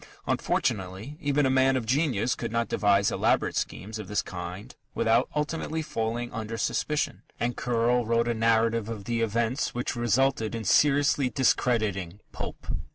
Unfortunately, even a man of genius could not devise elaborate schemes of this kind without ultimately falling under suspicion, and Curll wrote a narrative of the events which resulted in seriously discrediting Pope.